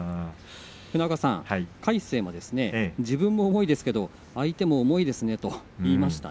魁聖も、自分も重いですが相手も重いですねと言いました。